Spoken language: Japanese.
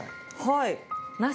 はい。